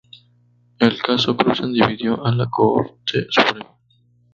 El caso Cruzan dividió a la Corte Suprema.